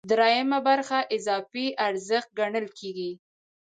درېیمه برخه اضافي ارزښت ګڼل کېږي